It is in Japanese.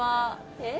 えっ？